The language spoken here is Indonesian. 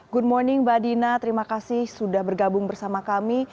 good morning mbak dina terima kasih sudah bergabung bersama kami